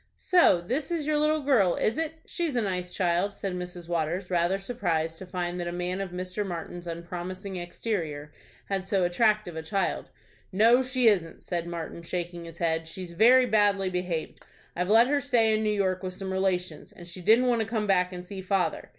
"So this is your little girl, is it? She's a nice child," said Mrs. Waters, rather surprised to find that a man of Mr. Martin's unpromising exterior had so attractive a child. "No, she isn't," said Martin, shaking his head. "She's very badly behaved. I've let her stay in New York with some relations, and she didn't want to come back and see father.